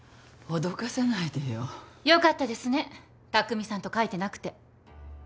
脅かさないでよ。よかったですね拓未さんと書いてなくて。